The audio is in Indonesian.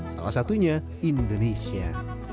salah satunya indonesia